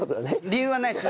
理由はないです。